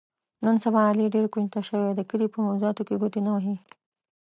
نن سبا علي ډېر کونج ته شوی، د کلي په موضاتو ګوتې نه وهي.